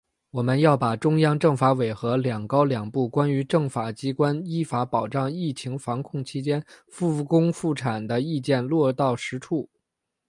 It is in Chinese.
我们要把中央政法委和‘两高两部’《关于政法机关依法保障疫情防控期间复工复产的意见》落到实处